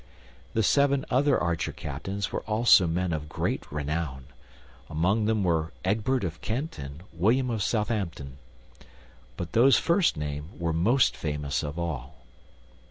The seven other archer captains were also men of great renown; among them were Egbert of Kent and William of Southampton; but those first named were most famous of all.